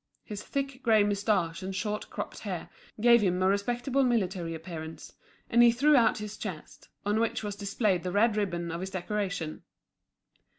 His thick grey moustache and short cropped hair gave him a respectable military appearance; and he threw out his chest, on which was displayed the red ribbon of his decoration.